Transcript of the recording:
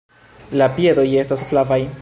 La piedoj estas flavaj.